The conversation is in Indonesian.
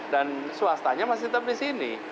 dan swastanya masih tetap di sini